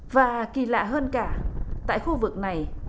và kỳ lạ hơn cả tại khu vực này